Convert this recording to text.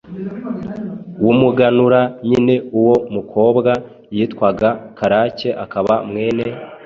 w’umuganura nyine. Uwo mukobwa yitwaga Karake akaba mwene